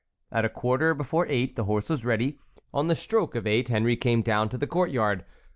At a quarter before eight the horse was ready. On the stroke of eight Henry came down to the court yard.